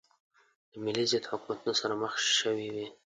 د ملي ضد حکومتونو سره مخ شوې وې.